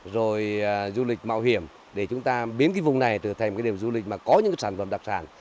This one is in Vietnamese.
rồi du lịch mạo hiểm để chúng ta biến cái vùng này trở thành một cái điểm du lịch mà có những cái sản phẩm đặc sản